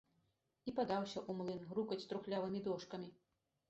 І падаўся ў млын грукаць трухлявымі дошкамі.